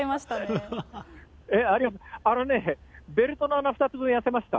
あのね、ベルトの穴２つ分痩せました。